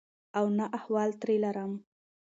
او نه احوال ترې لرم.